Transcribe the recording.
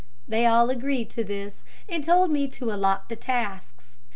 They all agreed to this, and told me to allot the tasks.